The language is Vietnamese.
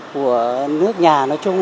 của nước nhà nói chung